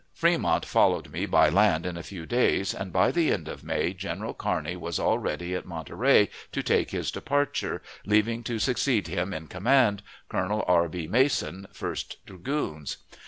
Fremont followed me by land in a few days, and, by the end of May, General Kearney was all ready at Monterey to take his departure, leaving to succeed him in command Colonel R. B. Mason, First Dragoons.